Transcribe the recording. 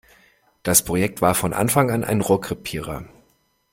Das Projekt war von Anfang an ein Rohrkrepierer.